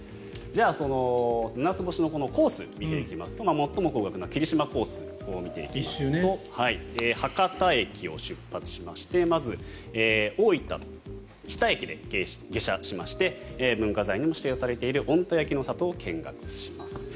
そのななつ星のコースを見ていきますと最も高額な霧島コースを見ていきますと博多駅を出発しましてまず、大分の日田駅で下車しまして文化財にも指定されている小鹿田焼の里を見学します。